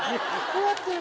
こうやって。